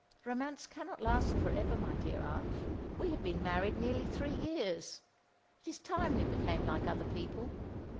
"Romance cannot last for ever, my dear aunt. We have been married nearly three years. It is time we became like other people.